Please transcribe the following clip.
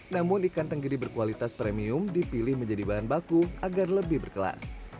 namun ikan tenggiri berkualitas premium dipilih menjadi bahan baku agar lebih berkelas